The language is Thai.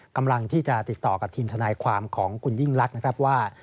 กำลังที่จะติดต่อกับทีมทนายความของคุณยิ่งลักษณ์นะครับว่า